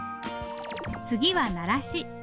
次は「ならし」。